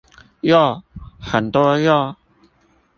肉！很多肉！